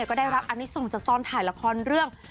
ก็ได้รับอันนี้ส่งจากตอนถ่ายละครเรื่อง